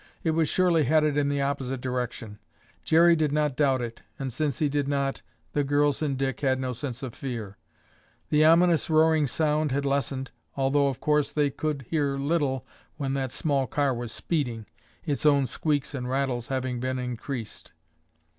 It was surely headed in the opposite direction. Jerry did not doubt it and since he did not, the girls and Dick had no sense of fear. The ominous roaring sound had lessened, although, of course, they could hear little when that small car was speeding, its own squeaks and rattles having been increased.